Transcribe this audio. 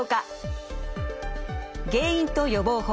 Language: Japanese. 原因と予防法